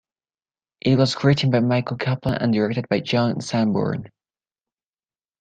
It was written by Michael Kaplan and directed by John Sanborn.